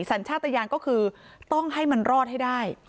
สัญชาติยานก็คือต้องให้มันรอดให้ได้